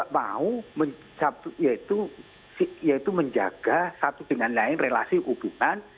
mau menjaga satu dengan lain relasi hubungan